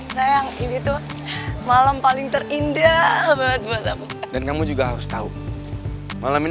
sayang ini tuh malam paling terindah buat aku dan kamu juga harus tahu malam ini